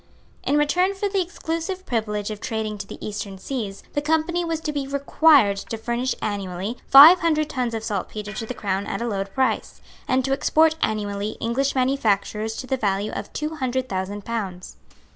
In return for the exclusive privilege of trading to the Eastern seas, the Company was to be required to furnish annually five hundred tons of saltpetre to the Crown at a low price, and to export annually English manufactures to the value of two hundred thousand pounds.